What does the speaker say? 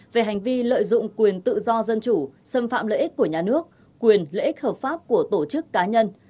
về hành vi lợi dụng quyền tự do dân chủ xâm phạm lợi ích của nhà nước quyền lợi ích hợp pháp của tổ chức cá nhân